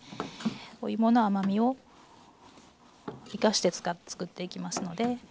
おいもの甘みを生かしてつくっていきますので。